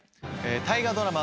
大河ドラマ